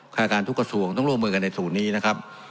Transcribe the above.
การทุกกระทรวงต้องร่วมมือกันในศูนย์นี้นะครับ